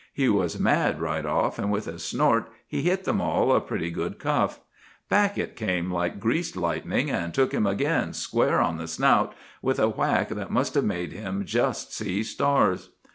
He was mad right off, and with a snort he hit the mall a pretty good cuff; back it came like greased lightning, and took him again square on the snout with a whack that must have made him just see stars.